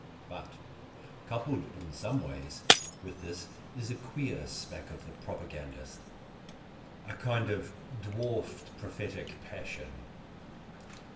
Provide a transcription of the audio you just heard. But coupled in some way with this is a queer smack of the propagandist, a kind of dwarfed prophetic passion.